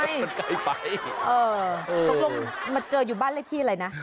เออบังคลมมันเจออยู่บ้านหรือที่ไหนนะ